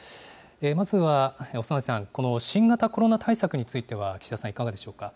まずは長内さん、新型コロナ対策については岸田さん、いかがでしょうか。